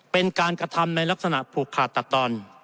เป็นการกระทำในลักษณะผูกขาดตัดตอน